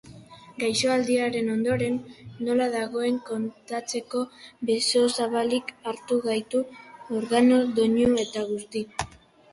Gaixoaldiaren ondoren, nola dagoen kontatzeko besozabalik hartu gaitu organo doinu eta guzti.